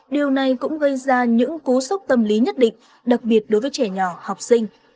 điều này cũng gây ra những cú sốc tâm lý nhất định đặc biệt đối với trẻ nhỏ học sinh